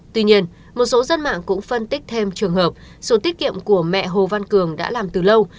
tuy nhiên một số dân mạng cũng phân tích thêm trường hợp số tiết kiệm của mẹ hồ văn cường đã làm từ lâu